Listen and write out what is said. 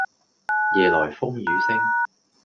夜來風雨聲